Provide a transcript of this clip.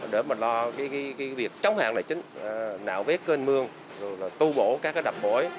để lo việc chống hạn lại chính nạo vết cơn mương tu bổ các đập bộ